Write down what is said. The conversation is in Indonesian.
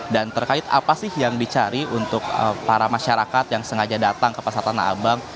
dan terkait apa sih yang dicari untuk para masyarakat yang sengaja datang ke pasar tanah abang